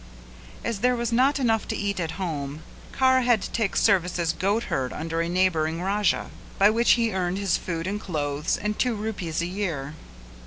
As there was not enough to eat at home Kara had to take service as goat herd under a neighbouring Raja; by which he earned his food and clothes and two rupees a year.